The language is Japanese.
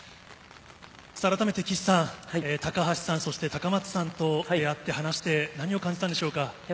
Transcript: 改めて岸さん、高橋さん、高松さんと話して何を感じたのでしょうか。